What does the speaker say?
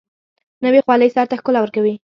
نوې خولۍ سر ته ښکلا ورکوي